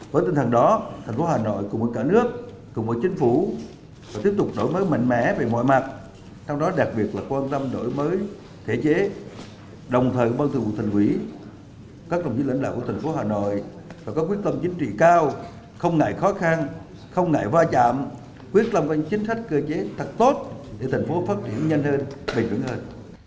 với tinh thần đó thành phố hà nội cùng với cả nước cùng với chính phủ sẽ tiếp tục đổi mới mạnh mẽ về mọi mặt trong đó đặc biệt là quan tâm đổi mới thể chế đồng thời bằng thư vụ thành quỷ các đồng chí lãnh đạo của thành phố hà nội và các quyết tâm chính trị cao không ngại khó khăn không ngại va chạm quyết tâm về chính sách cơ chế thật tốt để thành phố phát triển nhanh hơn bền vững hơn